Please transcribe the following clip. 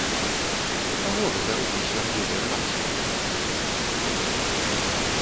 У каго гэта рукі свярбелі рваць яе?